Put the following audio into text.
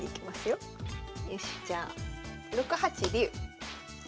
よしじゃあ６八竜。